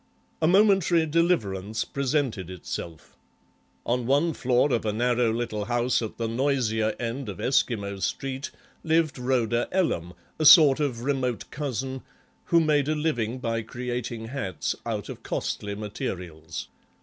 A momentary deliverance presented itself; on one floor of a narrow little house at the noisier end of Esquimault Street lived Rhoda Ellam, a sort of remote cousin, who made a living by creating hats out of costly materials.